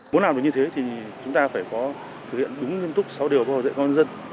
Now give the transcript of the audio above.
muốn làm được như thế thì chúng ta phải có thực hiện đúng dân túc sáu điều của hội dạy công an nhân dân